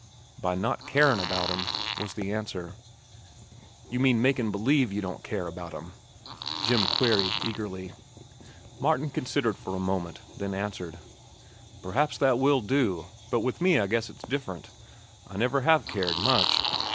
"By not carin' about 'em," was the answer. "You mean makin' b'lieve you don't care about them?" Jim queried eagerly. Martin considered for a moment, then answered, "Perhaps that will do, but with me I guess it's different. I never have cared—much.